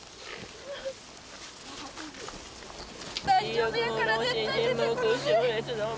大丈夫やからね。